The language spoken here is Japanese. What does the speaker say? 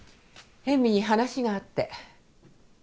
江美に話があって。